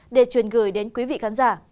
để truyền gửi đến quý vị khán giả